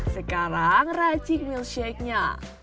sekarang racik milkshakenya